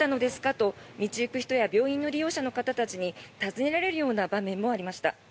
と道行く人や病院の利用者の方たちに尋ねられるような場面もありました。